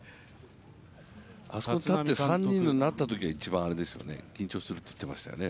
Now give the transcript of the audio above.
あそこに立って、３人になったときが緊張するっていいますよね。